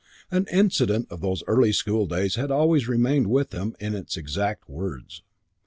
An incident of those early school days had always remained with him, in its exact words.